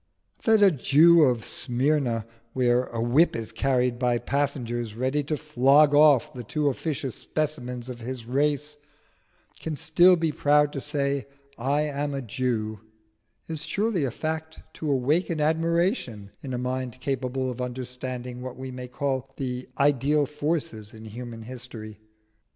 That a Jew of Smyrna, where a whip is carried by passengers ready to flog off the too officious specimens of his race, can still be proud to say, "I am a Jew," is surely a fact to awaken admiration in a mind capable of understanding what we may call the ideal forces in human history.